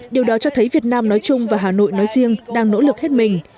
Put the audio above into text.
điều đó cho thấy việt nam nói chung và hà nội nói riêng đang nỗ lực hết mình